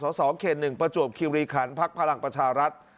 สสเขต๑ประจวบคิวรีคันพักพลังประชารัฐ